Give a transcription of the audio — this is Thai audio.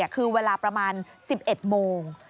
คือเวลาประมาณ๑๑โมง